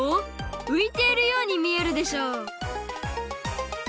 ういてるようにみえるでしょ！